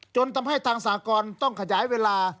จนทำให้ทางสากรต้องขยายเวลา